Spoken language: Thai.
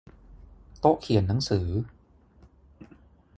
โต๊ะเขียนหนังสือ